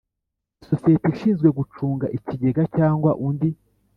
isosiyete ishinzwe gucunga ikigega cyangwa undi